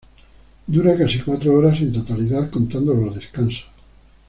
Dura casi cuatro horas en totalidad, contando los descansos.